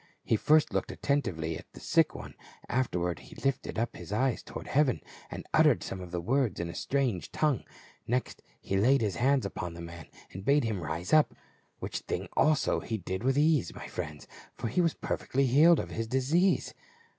He first looked attentively at the sick one, afterward he lifted up his eyes toward heaven and uttered some words in a strange tongue, next he laid his hands upon the man and bade him rise up. Which thing also he did with ease, my friends, for he was perfectly healed of his disease."